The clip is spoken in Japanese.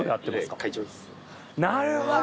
なるほど！